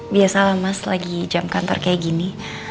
biasalah mas lagi jam kantor kayak gini